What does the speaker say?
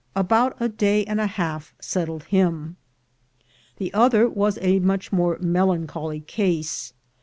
About a day and a half settled him. The other was a much more melancholy case.